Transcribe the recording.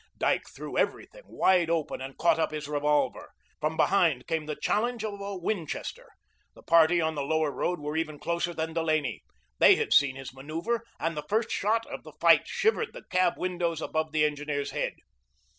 Dyke threw everything wide open and caught up his revolver. From behind came the challenge of a Winchester. The party on the Lower Road were even closer than Delaney. They had seen his manoeuvre, and the first shot of the fight shivered the cab windows above the engineer's head.